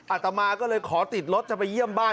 อาตมาก็เลยขอติดรถจะไปเยี่ยมบ้าน